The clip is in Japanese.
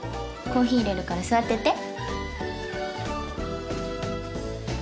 コーヒー入れるから座ってて。